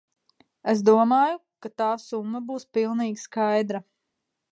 Es domāju, ka tā summa būs pilnīgi skaidra.